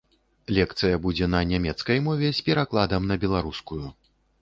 Лекцыя будзе на нямецкай мове з перакладам на беларускую.